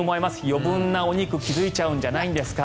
余分なお肉に気付いちゃうんじゃないですか。